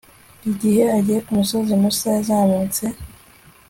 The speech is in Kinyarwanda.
igihe agiye ku musozi musa yazamutse